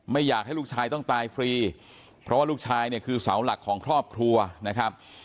ไม่อยากให้ลูกชายต้องตายฟรีเพราะว่าลูกชายเนี่ยคือเสาหลักของครอบครัวนะครับ